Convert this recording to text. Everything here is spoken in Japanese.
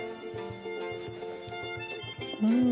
うん！